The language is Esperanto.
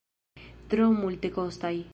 Tro multekostaj.